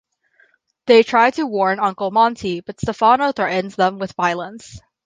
They try to warn Uncle Monty, but Stephano threatens them with violence.